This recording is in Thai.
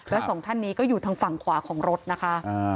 และสองท่านนี้ก็อยู่ทางฝั่งขวาของรถนะคะ